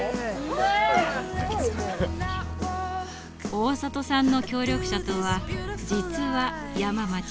大里さんの協力者とは実は山町さん。